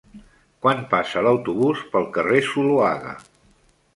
Quan passa l'autobús pel carrer Zuloaga?